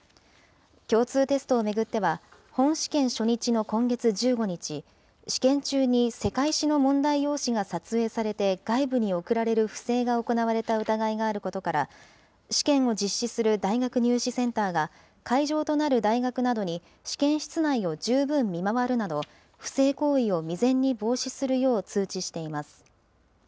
共通テストを巡っては、本試験初日の今月１５日、試験中に世界史の問題用紙が撮影されて、外部に送られる不正が行われた疑いがあることから、試験を実施する大学入試センターが、会場となる大学などに、試験室内を十分見回るなど、不正行為を未然に防止するよう通知しています。